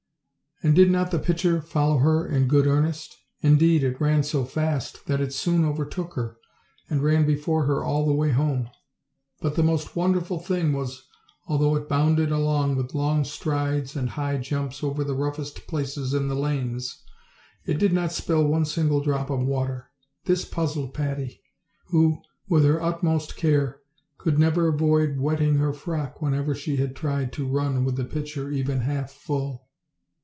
And did not the pitcher follow her in good earnest? Indeed, it ran so fast that it soon overtook her, and ran before her all the way home. But the most wonderful thing was, although it bounded along with long strides and high jumps over the roughest places in the lanes, it did not spill one single drop of water. This puzzled Patty, who, with her utmost care, could never avoid wet ting her frock whenever she had tried to run with the pitcher even half full.